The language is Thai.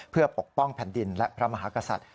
เพื่อปกป้องแผ่นดินและพระมหากษัตริย์